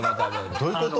どういうこと？